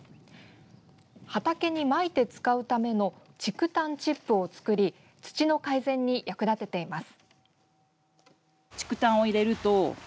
畑にまいて使うための竹炭チップを作り土の改善に役立てています。